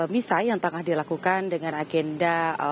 misai yang tengah dilakukan dengan agenda